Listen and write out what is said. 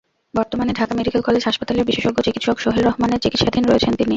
বর্তমানে Dhaka medical college হাসপাতালের বিশেষজ্ঞ চিকিৎসক সোহেল রহমানের চিকিৎসাধীন রয়েছেন তিনি।